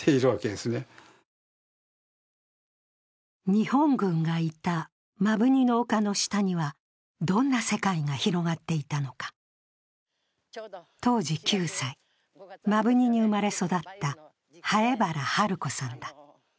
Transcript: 日本軍がいた摩文仁の丘の下には、どんな世界が広がっていたのか当時９歳、摩文仁に生まれ育った南風原春子さんだ。